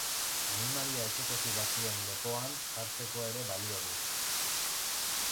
Animalia etxekotu batzuen lepoan jartzeko ere balio du.